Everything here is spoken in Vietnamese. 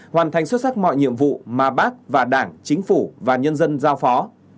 hoàn thành xuất sắc mọi nhiệm vụ mà bác và đảng chính phủ và nhân dân giao phó